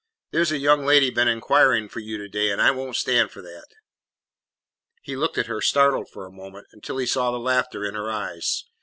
There 's a young lady been inquiring for you to day, and I won't stand for that." He looked at her, startled for a moment, until he saw the laughter in her eyes.